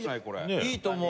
いいと思う！